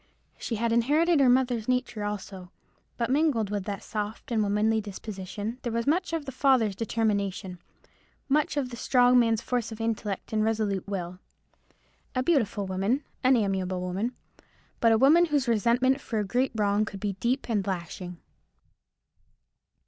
She had inherited her mother's nature also: but mingled with that soft and womanly disposition there was much of the father's determination, much of the strong man's force of intellect and resolute will. A beautiful woman—an amiable woman; but a woman whose resentment for a great wrong could be deep and lasting.